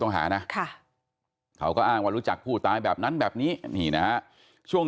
หานะเขาก็อ้างว่ารู้จักผู้ตายแบบนั้นแบบนี้นี่นะฮะช่วง